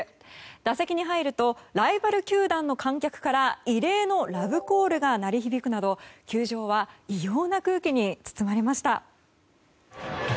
打席に入るとライバル球団の観客から異例のラブコールが鳴り響くなど球場は異様な空気に包まれました。